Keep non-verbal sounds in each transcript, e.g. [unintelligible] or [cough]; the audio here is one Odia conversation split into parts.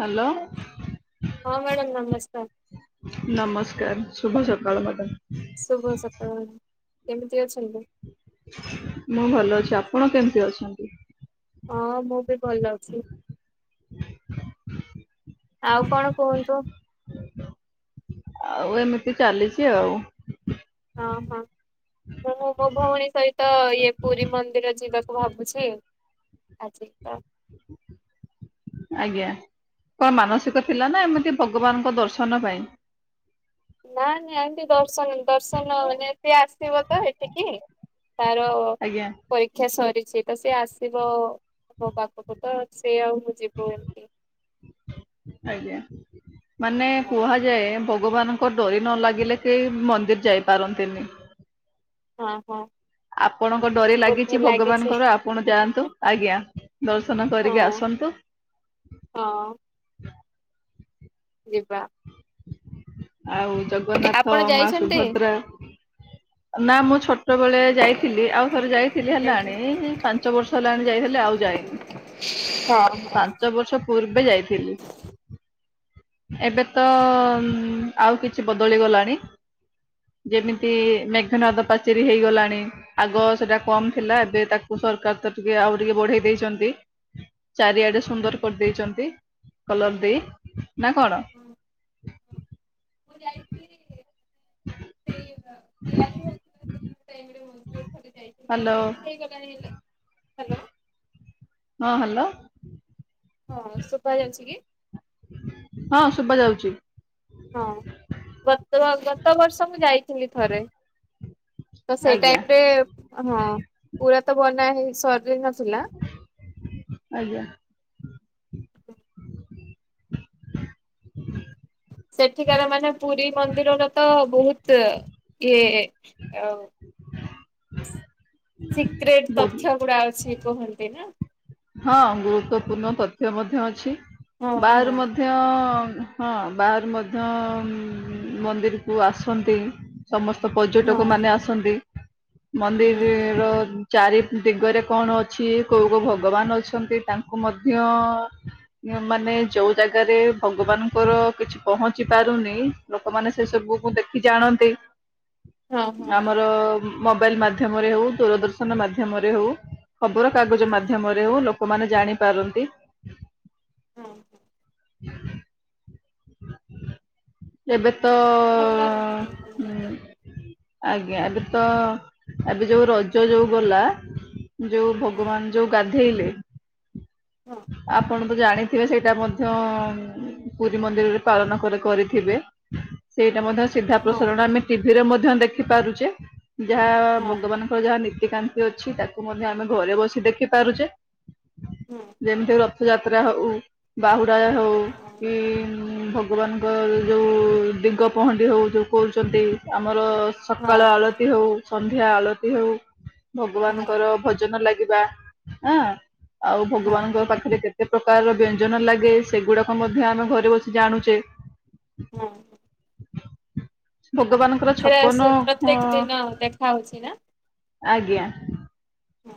ହ୍ୟାଲୋ। ହଁ ମ୍ୟାଡ଼ାମ ନମସ୍କାର। ନମସ୍କାର ଶୁଭ ସକାଳ ମ୍ୟାଡ଼ାମ। ଶୁଭ ସକାଳ କେମିତି ଅଛନ୍ତି? ମୁଁ ଭଲ ଅଛି ଆପଣ କେମିତି ଅଛନ୍ତି? ହଁ ମୁଁ ବି ଭଲ ଅଛି। [unintelligible] ଆଉ କଣ କୁହନ୍ତୁ। ଆଉ ଏମିତି ଚାଲିଛି ଆଉ। ହଁ ହଁ ମୁଁ ମୋ ଭଉଣୀ ସହିତ ଇଏ ପୁରୀ ମନ୍ଦିର ଯିବା ଭାବୁଛି ଆଜି ତ ଆଜ୍ଞା କଣ ମାନସିକ ଥିଲା ନା ଏମିତି ଭଗବାନଙ୍କ ଦର୍ଶନ ପାଇଁ। ନାଇ ନାଇଁ ଆଣ୍ଟି ଦର୍ଶନ ଦର୍ଶନ ମାନେ ଏ ସେ ଆସିବ ତ ଏଠିକି ତାର ଆଜ୍ଞା ପରୀକ୍ଷା ସରିଛି ତ ସେ ଆସିବ ମୋ ପାଖକୁ ତ ସେ ଆଉ ମୁଁ ଯିବୁ ଏମତି। ଆଜ୍ଞା ମାନେ ହଁ କୁହାଯାଏ ଭଗବାନଙ୍କ ଡରି ନ ଲାଗିଲେ କେହି ମନ୍ଦିର ଯାଇପାରନ୍ତିନି। ହଁ। ହଁ ଆପଣଙ୍କ ଡରି ଲାଗିଛି ଭଗବାନଙ୍କର ଆପଣ ଯାଆନ୍ତୁ ଆଜ୍ଞା ଦର୍ଶନ ହଁ କରିକି ଆସନ୍ତୁ। ହଁ ନ୍ତୁ। ଯିବା ଆଉ ଜଗନ୍ନାଥ ଆପଣ ମା ଯାଇଛନ୍ତି? ସୁଭଦ୍ରା ନା ମୁଁ ଛୋଟ ବେଳେ ଯାଇଥିଲି ଆଉ ଥରେ ଯାଇଥିଲି ହେଲାଣି ପାଞ୍ଚ ବର୍ଷ ହେଲାଣି ଯାଇଥିଲି। ହେଲେ ଆଉ ଯାଏନି। [unintelligible] ପାଞ୍ଚ ବର୍ଷ ପୂର୍ବେ ଯାଇଥିଲି। ଏବେ ତ ଆଉ କିଛି ବଦଳିଗଲାଣି। ଯେମିତି ମେଘନାଥ ପାଚେରୀ ହେଇଗଲାଣି ଆଗ ସେଟା ହଁ। କମ ଥିଲା ଏବେ ତାକୁ ସରକାର ତ ଟିକେ ଆଉ ଟିକେ ବଢେଇ ଦେଇଛନ୍ତି ଚାରିଆଡେ ସୁନ୍ଦର କରିଦେଇଛନ୍ତି। କଲର ଦେଇ ନା କଣ। ମୁଁ [inaudible] ସେ ତିଆରି ତାଇ ଥ ଯାଇଥିଲି ହ୍ୟାଲୋ ମଝ ହେଇଗଲାଣି ହେ ହାଲୋ। ହଁ ହ୍ୟାଲୋ। ହଁ ଶୁଭା ଯାଉଛି କି? ହଁ ଶୁଭା ଯାଉଛି। ହଁ ଗ ଗତ ବର୍ଷ ମୁଁ ଯାଇଥିଲି ଥରେ। ତ ସେଇ ଆଜ୍ଞା ଟାଇମରେ ହଁ ପୁରା ତ ବନା ହେଇ ସାରିନଥିଲା। ଆଜ୍ଞା ସେଠିକାର ମାନେ ପୁରୀ ମନ୍ଦିରର ତ ବହୁତ ଏ ଆଉ [inaudible] ସିକ୍ରେଟ ବହୁତ ତଥ୍ୟ ଗୁଡା ଅଛି କୁହନ୍ତି ନା। ହଁ ଗୁରୁତ୍ୱପୂର୍ଣ୍ଣ ତଥ୍ୟ ମଧ୍ୟ ଅଛି, ହଁ ହଁ ବାହାରୁ ମଧ୍ୟ ହଁ ବାହାରୁ ମଧ୍ୟ ମନ୍ଦିରକୁ ଆସନ୍ତି ସମ ତ ହଁ ପର୍ଯ୍ୟଟକମାନେ ଆସନ୍ତି। ହୁଁ ମନ୍ଦିର ହୁଁ ର ଚାରି ଦିଗରେ କଣ ଅଛି କୋଉ କୋଉ ଭ ଭଗବାନ ଅଛନ୍ତି ତାଙ୍କୁ ମଧ୍ୟ ମାନେ ଯୋଉ ଜାଗାରେ ଭଗବାନଙ୍କର କିଛି ପହଞ୍ଚି ପାରୁନି ଲୋକମାନେ ସେ ସବୁକୁ ଦେଖି ଜାଣନ୍ତି। ହଁ ହଁ ଆମର ହଁ ମୋବାଇଲ ମାଧ୍ୟମରେ ହଉ ଦୂରଦର୍ଶନ ମାଧ୍ୟମରେ ହଉ। ଖବରକାଗଜ ମା ଲୋକମାନେ ଜାଣିପାରନ୍ତି। ହଁ ହଁ। ଏବେ। ତ ଭଲ ଲାଗୁଛି ମନ୍ଦ ହୁଁ ଆଜ୍ଞା ଏବେ ତ ଏବେ ଯୋଉ ରଜ ଯୋଉ ଗଲା। ଯୋଉ ହଁ ଭଗବାନ ଯୋଉ ଗାଧେଇଲେ ହଁ ଆପଣ ଜାଣିଥିବେ ସେଇଟା ମଧ୍ୟ ପୁରି ମନ୍ଦିରରେ ପାଳନ କରିଥିବେ ସେଇଟା ମଧ୍ୟ ସିଧା ପ୍ରସାରଣ ହଁ ଆମେ ଟିଭିରେ ମଧ୍ୟ ମଧ୍ୟ ଦେଖିପାରୁଛେ ଯାହା ହଁ ଭଙ୍ଗବାନଙ୍କର ଯାହା ନୀତିକାନ୍ତି ଅଛି ତାକୁ ମଧ୍ୟ ଆମେ ଘରେ ବସି ଦେଖି ପାରୁଛେ ହଁ ଯେମିତି ରଥ ରଥ ଯାତ୍ରା ହଉ ବାହୁଡଜା ହଉ କି ଭଗବାନଙ୍କ ଯେଉଁ ଦିଗ ପହଣ୍ଡି ହେଉ ଯେଉଁ କରହୁଛନ୍ତି ଆମ ଆମର ହଁ ସକାଳ ହଁ ହଁ ଆଳତି ହଉ, ସନ୍ଧ୍ୟା ଆଳତି ହଉ, ହଁ ହଁ ଭଗବାନଙ୍କର ଭଜନ ଲାଗି ହଁ ଆଉ ହଁ ଭଗବାନଙ୍କ ପାଖରେ କେତେ କେତେ ପ୍ରକାର ବ୍ୟଞ୍ଜନ ଲାଗେ ସେଗୁଡାକ ମଧ୍ୟ ଆମେ ଘରେ ବସି ଜାଣୁଛେ। ହଁ ଭଗବାନଙ୍କର ଛପନ ସେଟ ଅ ପ୍ରତ୍ୟେକ ଦିନ ଦେଖା ହଉଛି ନା ଆଜ୍ଞା। ହୁଁ।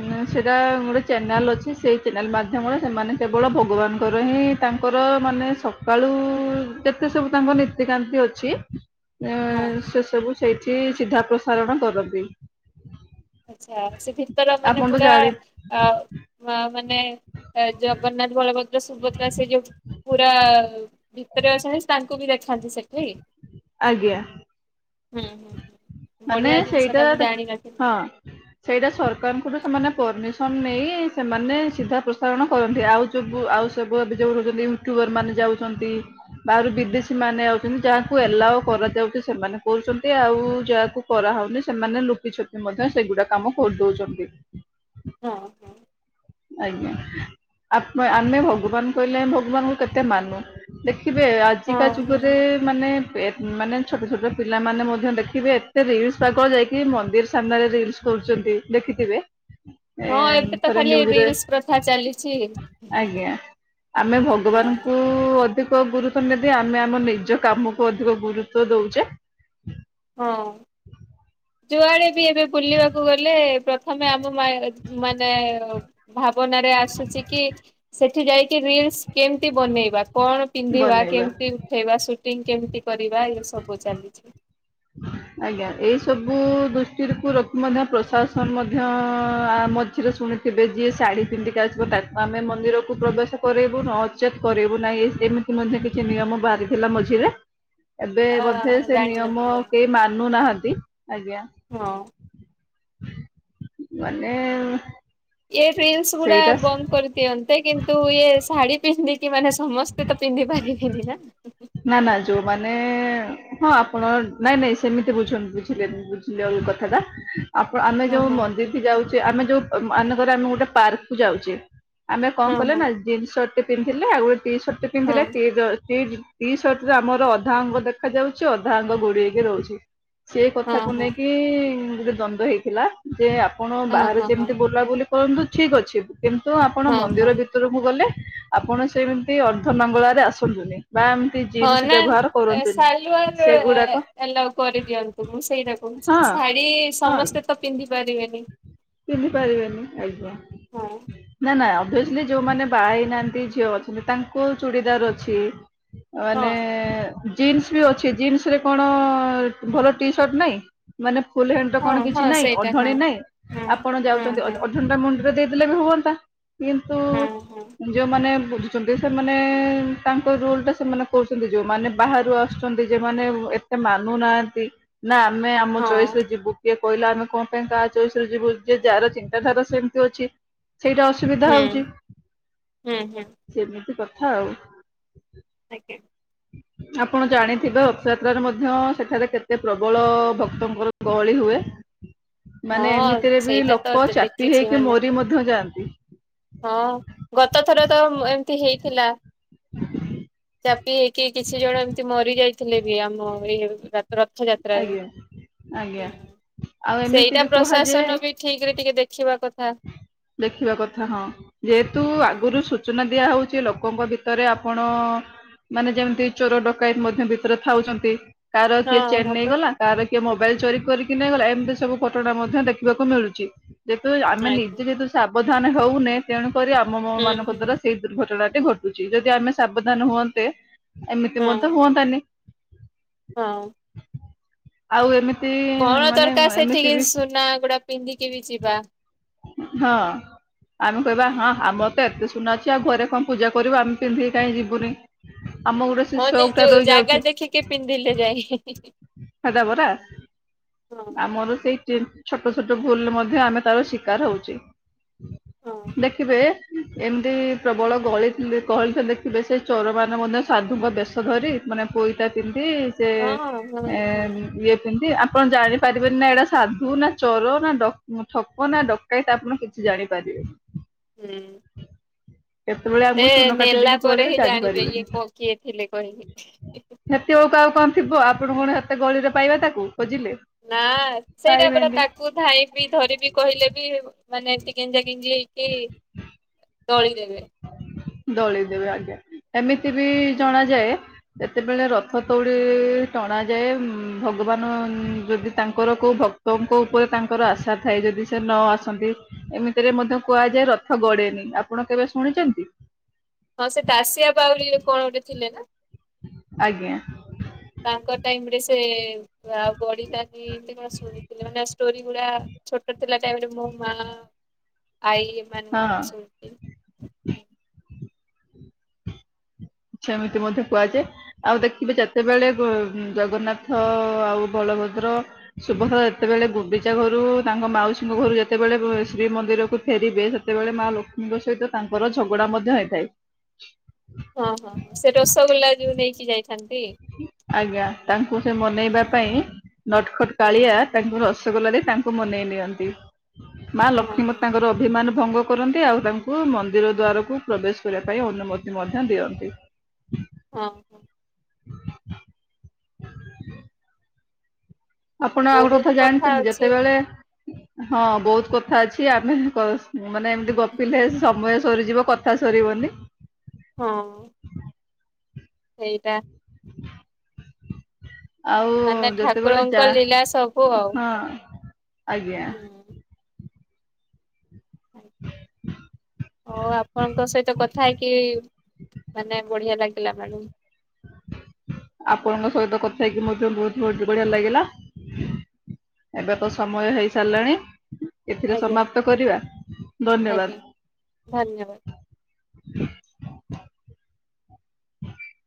ଏନା ସେଟା ମୋର ଚ୍ୟାନେଲ୍ ଅଛି, ସେହି ଚ୍ୟାନେଲ୍ ମାଧ୍ୟମରେ ସେମାନେ କେବଳ ଭଗବାନଙ୍କର ହିଁ ତାଙ୍କର ତ ମାନେ ସକାଳୁ କେତେ ସବୁ ତାଙ୍କ ନୀତିକାନ୍ତି ଅଛି। ଏ ହଁ ସେସବୁ ସେଇଠି ସିଧା ପ୍ରସାରଣ କରନ୍ତି। ଆଚ୍ଛା ସେ ଭିତର ମାନେ ଆପଣ ତ ପୁରା ଜାଣି ଆ ମା ମାନ ଏ ଜଗନ୍ନାଥ, ବଳ ଦ୍ର ସୁଭଦ୍ରା ସେଇଟି ଅଛନ୍ତି। ପୁରା ଭିତରେ ଅଛନ୍ତି ତାଙ୍କୁ ବି ଦେଖାନ୍ତି ସେଠି। ଆଜ୍ଞା। ହୁଁ ହୁଁ ମାନେ ବଢିଆ ଜିନିଷ ସେଇଟା ଟା ମୁଁ ହଁ ଜାଣିିନଥିଲି। ସେଇଟା ସରକାରଙ୍କଠୁ ସେମାନେ ପରମିସନ ନେଇ ସେମାନେ ସିଧା ପ୍ରସାରଣ କରନ୍ତି, ଆଉ ଯୋଉ ଆଉସବୁ ଅବିଯୋଗ ରୋଉଚନ୍ତି ୟୁଟ୍ୟୁବର ମାନେ ଯାଉଚନ୍ତି, ବାଆରୁ ବିଦେଶୀ ମାନେ ଆଉଚନ୍ତି ଯାହାକୁ ଏ ହେଲା ଆଉ କରାଯାଉଚି ସେମାନେ କଉଚନ୍ତି ଆଉ ଯାହାକୁ କରାହୋଉନି ସେମାନେ ଲୁପିଛୁପି ମଧ୍ୟ ସେଗୁଡା କାମ କରିଦୋଉଛନ୍ତି। ହଁ। ଆଜ୍ଞା ଆପ୍ ଆମେ ଭଗବାନ କହିଲେ ଭଗବାନଙ୍କୁ କେତେ ମାନୁ ଦେଖ ଖିବେ ହଁ ଆଜିକା ହଁ ଯୁଗରେ ମାନେ ପେ ମାନେ ଛୋଟ ଛୋଟ ପିଲାମାନେ ମଧ୍ୟ ଦେଖିବେ ଏତେ ରିଲସ ପାଗଳ ଯାଇକି ମନ୍ଦିର ସାମ୍ନାରେ ରିଲସ କରୁଚ ନ୍ତି ଦେଖିଥିବେ ଏ ହଁ ଏବେ ତ ଥରେ ଖାଲି ନିଉ ଜରେ, ରିଲସ ପ୍ରଥା ଚାଲିଛି ଆଜ୍ଞା ଆମେ ହଁ ଭଗବାନଙ୍କୁ-ଉ-ଉ-ଉ ଅଧି କ ଗୁରୁଛନ ଯଦି ଆମେ ଆମ ନିଜ କାମକୁ ଅଧିକ ଗୁରୁତ୍ବ ଦଉଚେ। ହଁ ଯୁଆଡେ ବି ଏବେ ବୁଲିବାକୁ ଗଲେ ପ୍ରଥମେ ଆମ୍ବ ମାୟାର ହେଚ ମାନେ-ଏ-ଏ ଭାବନାରେ ଆସୁଛି କି ସେଠି ଯାଇକି ରିଲସ କେମତି ବନେଇବା। କଣ ପିନ୍ଧିବା, ବନେଇବା। କେମତି ଉଠେଇବା, ସୁଟିଂ କେମିତି କରିବା ଏସବୁ ଚାଲିଚି। ଆଜ୍ଞା ଏଇ ସବୁ ଦୃଷ୍ଟିରୁ କୁ ରଖି ମଧ୍ୟ ପ୍ରଶାସନ ମଧ୍ୟ ଅ-ଅ-ଅ ଆ ମଝିରେ ଶୁଣିଥିବେ ଯିଏ ଶାଢୀ ପିନ୍ଧିକି ଆସିବ ତାକୁ ଆମେ ମନ୍ଦିରକୁ ପ୍ରବେଶ କରେଇବୁ ନଚେତ୍ କରେଇବୁ ନାହିଁ ଇ ଏମତି ମଧ୍ୟ କିଛି ନିୟମ ବାହାରିଥିଲା ମଝିରେ ଏବେ ଆ ବୋଧେ ସେ ନିୟମ ଜାଣିନଥିଲେ ମାନୁ ନାହାନ୍ତି, ଆଜ୍ଞା। ମୁଁ ହଁ। ମାନେ-ଏ-ଏ ଇଏ ଫିଲସ ଗୁଡା ବନ୍ଦ କରିଦିଅନ୍ତେ କିନ୍ତୁ ଇଏ ଶାଢୀ ପିନ୍ଧିକି ମାନେ ସମସ୍ ସ୍ତେତ ପିନ୍ଧି ପାରିବେନି ନା। ନା ନା ଯୋଉମାନେ ହଁ ଆପଣ ନାଇଁ ନାଇଁ ସେମିତି ବୁଝନ୍ତି ବୁଝିଲେନି ବୁଝିଲେ ଯୋଉ କଥାଟା ଆହ ଆପଣ ଆମେ ହଁ ଯୋଉ ହଁ ମନ୍ଦିରକି ଯାଉଚେ ଆମେ ଯୋଉ ମାନେକର ଆମେ ଗୋଟେ ପାର୍କକୁୁ ଯାଉଚେ ଆମେ କଣ କଲେ ହଁ ନା ଜିନ୍ସସର୍ଟ ଟି ପିନ୍ଧିଲେ ଆଉ ଗୋଟେ ଟିସର୍ଟ ଟି ହଁ ପିନ୍ଧିଲେ ଟି ଯ ଟିଜ୍ ଟିସର୍ଟରେ ଆମର ଅଧା ଅଙ୍ଗ ଦେଖାଯାଉଚି ଅଧା ଅଙ୍ଗ ଗୋଡେଇକି ରହୁଚି। ସେ ହଁ କଥାକୁ ହଁ ହଁ ନେଇକି-ଇ-ଇ ଗୋଟେ ଦ୍ଵନ୍ଦ ହେଇଥିଲା ଯେ ଆପଣ ବାହାରେ ହଁ ହଁ ହଁ ଯେମତି ବୁଲାବୁଲି କରନ୍ତୁ ଠିକ୍ ଅଛି କିନ୍ତୁ ଆପଣ ହଁ ମନ୍ଦିର ହଁ। ଭିତରକୁ ଗଲେ ଆପଣ ସେମତି ଅର୍ଦ୍ଧ ନଙ୍ଗଳାରେ ଆସନ୍ତୁନି। ବା ଏମିତି ହଁ ଜିନ୍ସ ନା ବ୍ୟବହାର କରନ୍ତୁନି ସାଲ୍ୱାର ଏ ସେଗୁଡାକ ଏଲାଓ କରିଦିଅନ୍ତୁ ମୁଁ ସେଇଟା କହୁ ହଁ ଚି ଶାଢୀ ହଁ ସମସ୍ତେ ତ ପିନ୍ଧି ପାରିବେନି ପିନ୍ଧି ପାରିବେନି ଆଜ୍ଞା ହଁ ନା ନା ଅ ସେମତି ଯୋଉମାନେ ବାହା ହେଇନାହାନ୍ତି ଝିଅ ଅଛନ୍ତି ତାଙ୍କୁ ଚୁଡ଼ିଦାର ଅଛି। ହଁ ମାନେ-ଏ-ଏ-ଏ ଜିନ୍ସବି ଅଛି। ଜିନ୍ସରେ କଣ-ଅ-ଅ-ଅ ଭଲ ଟିସର୍ଟ ନାହିଁ। ମାନେ ଫୁଲ ହେଣ୍ଡର ହଁ କଣ ହଁ କିଛି ନାଇଁ, ସେଇଟା ହଁ। ଅଢଣି ନାଇଁ। ହଁ ଆପଣ ହଁ ଯାଉଛନ୍ତି ଓ ହଁ ଓଢଣି ଟା ମୁଣ୍ଡରେ ଦେଇଦେଲେବି ହୁଅନ୍ତା। ହଁ ହଁ କିନ୍ତୁ-ଉ-ଉ-ଉ ଯୋଉମାନେ ଆସୁଛନ୍ତି ସେମାନେ-ଏ-ଏ-ଏ ତାଙ୍କ ରୁଲଟା ସେମାନେ କୋହୁଛନ୍ତି, ଯେଉ ମାନେ ବାହାରୁ ଆସୁଛନ୍ତି ଯେମାନେ ଏ ଏତେ ମାନୁନାହାନ୍ତି ନା ଆମେ ଆମ ଚଏସ ହଁ ଯିବୁ କିଏ କଇଲା ଆମେ କଣ ପାଇଁ କା ହାର ଚୟସ୍ ରେ ଯିବୁ ଯେ ଯାହାର ଚିନ୍ତାଧାରା ସେମିତି ଅଛି। ସେଇଟା ଅସୁବିଧା ହୁଁ ହଉଛି। ହୁଁ ହୁଁ ସେମିତି କଥା ଆଉ। ଆଜ୍ଞା। ହ ଆପଣ ଜାଣିଥିବେ ରଥଯାତ୍ରାରେ ମଧ୍ୟ ସେଠାରେ କେତେ ପ୍ରବଳ-ଅ-ଅ ଭକ୍ତଙ୍କର ଗହଳି ହୁଏ। ମାନେ ହଁ ଏମିତିରେ ବି ସେଇଟା ତ ଲୋକ ଚାପି ଦେଖିଛି ହେଇକି ମାନେ ମୋରି ମଧ୍ୟ ଯାଆନ୍ତି। ହଁ ଗତ ଥର ତ ଏମ ଏମିତି ହେଇଥିଲା। ଚାପି ହେଇକି କିଛି ଜଣ ଏମତି ମରି ଯାଇଥିଲେ ବି ଆମ ଏଇ ରଥଯାତ୍ରାରେ ଆଜ୍ଞା ହୁଁ। ଆଜ୍ଞା ଆଉ ସେଇଟା ଏମିତି ବି କୁହାଯାଏ ପ୍ରଶାସନ ବି ଠିକରେ ଟିକେ ଦେଖିବା କଥ୍ ଦେଖିବା କଥା ହଁ। ଯେହେତୁ ଆଗରୁ ସୂଚନା ଦିଆ ହଉ ଛି ଲୋକଙ୍କ ଭିତରେ ଆପଣ-ଅ-ଅ ମାନେ ଯେମିତି ଚୋର ଡକାୟତ ମଧ୍ୟ ଭିତରେ ଥାଉଛନ୍ତି। କାହାର କିଏ ହଁ ଚେନ୍ ଆପଣ ନେଇଗଲା କାହାର କିଏ ମୋବାଇଲ ଚୋରି କରିକି ନେଇ ଗଲା ଏମିତି ସବୁ ଫଟୋଟା ମଧ୍ୟ ଦେଖିବାକୁ ମିଳୁଛି। ଯେହେତୁ ଆମେ ନିଜେ ଆଜ୍ଞା ଯେହେତୁ ସାବଧାନ ହେଉନି ତେଣୁ କରି ଆମ ମ ହୁଁ ମାନଙ୍କ ହୁଁ ଦ୍ୱାରା ସେଇ ଦୁର୍ଘଟଣା ତି ଘଟୁଛି ଯଦି ଆମେ ସାବଧାନ ହୁଅନ୍ତେ ଏମିତି ହଁ ମଧ୍ୟ ହୁଅନ୍ତାନି। ହଁ। ଆଉ ଏମିତି କଣ ମାନେ ଦରକାର ଏ ସେଠିକି ଏମିତି ବି ସୁନା ଗୁଡା ପିନ୍ଧିକି ବି ଯିବା। ହଁ ଆମେ କହିବା ହୁଁ ହଁ ଆମର ତ ଏତେ ସ ଶୁନା ଅଛି ଆଉ ଘରେ କଣ ପୂଜା କରିବୁ ଆମେ ପିନ୍ଧିକି କହିଁ ଯିବୁନି। ଆମ ଗୋଟେ ସେ ହଁ ଯେ ସଉକ ଟା ଯୋଉ ରହିଯାଉଛି ଜାଗା ଦେଖିକି ପିନ୍ଧିଲେ ଯାଇ। ଖଜ ପରା ଆମର ସେଇ ଜିନ୍ ଛୋଟ ଛୋଟ ଭୁଲରେ ମଧ୍ୟ ଆମେ ତାର ଶିକାର ହୋଉଚି। ହଁ ଦେଖିବେ ଏମିତି ପ୍ରବଳ ଗଳି କହଳି ଦେଖିବେ ସେ ଚୋର ମାନେ ମଧ୍ୟ ଧୁଙ୍କ ବେଶ ଧରି ମାନେ ପୋଇଟ ପିନ୍ଧି ସେ ହଁ ହଁ ହଁ ହୁଁ ଏଁ ଇଏ କେମିତି ଆପଣ ଜାଣିପାରିବେନି ନା ଏଇଟା ସାଧୁ ନା ଚୋର ନା ଡ ଠକ ନା ଡକାଏତ୍ ଆପଣ କିଛି ଜାଣିପାରିବେ। କେତେବେଳେ ଆମକୁ ସେ ଚୂନ କାଟି ନେଲା ଦେଇକି ପରେ ପଳେଇବେ ହିଁ ଜାଣିବେ ଇଏ ଜାଣିପାରିବେନି। କ କିଏ ଥିଲେ କହିକି। ସେତେ ବେଳକୁ ଆଉ କଣ ଥିବ ଆପଣ କଣ ହେତେ ଗଳିରେ ପାଇବା ତାକୁ। ଖୋଜିଲେ ନା ସେଇଟା ପୁରା ପାଇବେନି। ତାକୁ ଧାଇଁବି ଧରିବି କହିଲେ ବି ମାନେ ଏମତି କି ଭିଞ୍ଜି ହେଇକି ଦଳିଦେବେ। ଦଳିଦେବେ ଆଜ୍ଞା ଏମିତି ବି ଜଣାଯାଏ ସେତେବେଳେ ରଥ ଦୌଡି ଟଣା ଯାଏ ଭଗବାନ ଯଦି ତାଙ୍କର କୋଉ ଭ କ୍ତଙ୍କ ଉପରେ ତାଙ୍କର ଆଶା ଥାଏ ଯଦି ସେ ନ ଆସନ୍ତି। ଏମିତିରେ ମଧ୍ୟ କୁହାଯାଏ ରଥ ଗଡେ ନି ଆପଣ କେବେ ଶୁଣିଚନ୍ତି? ହଁ ସେ ଦାଶିଆବାଉଳି କଣ ଗୋଟେ ଥିଲେ ନା? ଆଜ୍ଞା। ତାଙ୍କ ଟାଇମ ରେ ସେ ଆଉ ଗିଲ ନାହିଁ ଏମତି କଣ ଶୁଣିଥିଲେ ମାନେ ଷ୍ଟୋରି ଗୁଡା ଛୋଟ ଥିଲା ଟାଇମ୍ ରେ ମୋ ମା ଆଇ ଏମାନେ ହଁ। ସ ସେମିତି ମଧ୍ୟ କୁହାଯାଏ। ଆଉ ଦେଖିବେ ଯେତେବେଳେ ବ ଜଗନ୍ନାଥ ଆଉ ବଳ ସୁଭଦ୍ର ସୁଭଦ୍ରା ଯେତେବେଳେ ଗୁଣ୍ଡିଚା ଘରୁ ତାଙ୍କ ମାଉସୀଙ୍କ ଘରୁ ଯେତେବେଳେ ବ ଶ୍ରୀମନ୍ଦିରକୁ ଫେରିବେ ସେତେବେଳେ ମା ଲକ୍ଷ୍ମୀଙ୍କ ସହିତ ତାଙ୍କର ଝଗଡା ମଧ୍ୟ ହେଇଥାଏ। ହଁ ହଁ ହଁ ସେ ରସଗୋଲା ଯୋଉ ନେଇକି ଯାଇଥାନ୍ତି। ଆଜ୍ଞା ତାଙ୍କୁ ସେ ମନେଇବା ହଁ ପାଇଁ ନଟ ଖଟ ହଁ କାଳିଆ ତାଙ୍କୁ ରସଗୋଲାରେ ତାଙ୍କୁ ମନେଇ ନିଅନ୍ତି ମା ହଁ ହଁ ଲକ୍ଷ୍ମୀ ମା ହଁ ତାଙ୍କର ଅଭିମାନ ଭଙ୍ଗ କରନ୍ତି ଆଉ ତାଙ୍କୁ ମନ୍ଦିର ଦ୍ଵାରକୁ ପ୍ରବେଶ କରିବା ପାଇଁ ଅନୁମତି ମଧ୍ୟ ଦିଅନ୍ତି। ହଁ। ଆପଣ ଆଉ ଗୋଟେ ବହୁତ କଥା ଜାଣିଛନ୍ତି ଅଛି ଯେତେବେଳେ ହଁ ବହୁତ କଥା ଅଛି ଆମେ କ ମାନେ ଏମିତି ଗପିଲେ ସମୟ ସରିଯିବ କଥା ସରିବନି। ହଁ। ସେଇଟା। ଆଉ ମାନେ ଯେତେବେଳେ ଯା ଠାକୁରଙ୍କ ଲୀଳା ସବୁ ଆଉ ହଁ। ଆଜ୍ଞା। ହୁଁ। ହଉ ଆପଣଙ୍କ ସହିତ କଥା ହେଇକି ମାନେ ବଢିଆ ଲାଗିଲା ମ୍ୟାଡମ୍। ଆପଣଙ୍କ ସହିତ କଥା ହେଇକି ମଧ୍ୟ ବହୁତବଢ଼ ବଢିଆ ଲାଗିଲା। ଏବେ ତ ସମୟ ହେଇ ସାରିଲାଣି। ଏଥିରେ ଆଜ୍ଞା ସମାପ୍ତ କରିବା ଆଜ୍ଞା ଧନ୍ୟବାଦ। [inaudible]